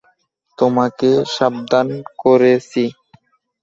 তোমাকে সাবধান করেছি।